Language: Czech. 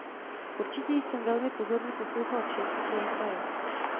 Určitě jsem velmi pozorně poslouchal vše, co se říkalo.